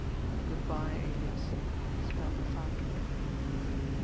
" Good bye, Elias," spelled the father.